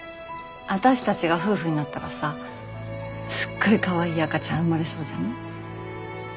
私たちが夫婦になったらさすっごいかわいい赤ちゃん生まれそうじゃない？